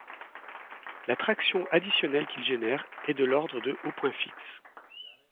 La traction additionnelle qu'ils génèrent est de l'ordre de au point fixe.